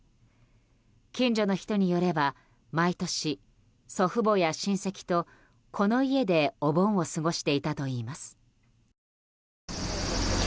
近所の人によれば毎年、祖父母や親戚とこの家でお盆を過ごしていたといいます。